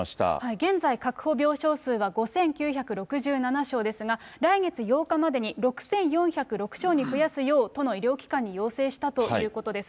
現在、確保病床数は５９６７床ですが、来月８日までに、６４０６床に増やすよう、都の医療機関に要請したということです。